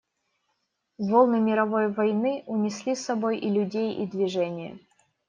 Волны мировой войны унесли с собой и людей и движение.